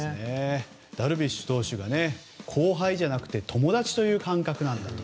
ダルビッシュ投手が後輩じゃなくて友達という感覚だと。